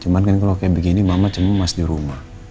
cuman kan kalau kayak begini mama cemas di rumah